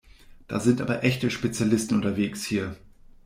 Da sind aber echte Spezialisten unterwegs hier!